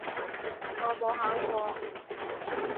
我冇考過